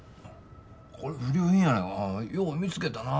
これ不良品やないかよう見つけたな。